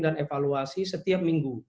dan evaluasi setiap minggu